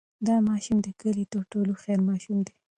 دا ماشوم د کلي تر ټولو هوښیار ماشوم دی.